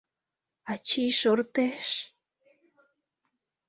Ачий шортеш...